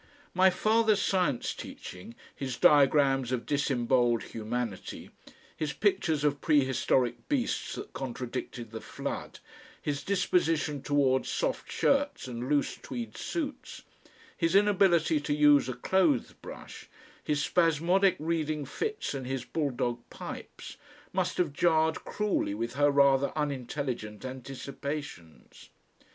My father's science teaching, his diagrams of disembowelled humanity, his pictures of prehistoric beasts that contradicted the Flood, his disposition towards soft shirts and loose tweed suits, his inability to use a clothes brush, his spasmodic reading fits and his bulldog pipes, must have jarred cruelly with her rather unintelligent anticipations.